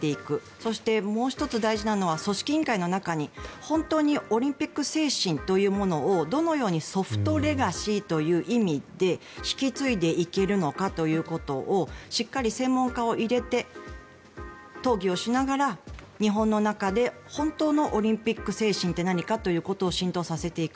そして、もう１つ大事なのは組織委員会の中に本当にオリンピック精神というものをどのようにソフトレガシーという意味で引き継いでいけるのかということをしっかり専門家を入れて討議をしながら日本の中で本当のオリンピック精神って何かということを浸透させていく。